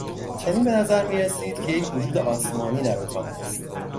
چنین به نظر میرسید که یک وجود آسمانی در اتاق است.